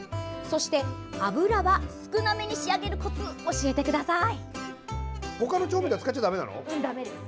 そして、油は少なめに仕上げるコツ、教えてください。